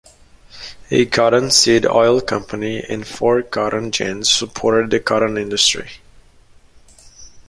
A cottonseed oil company and four cotton gins supported the cotton industry.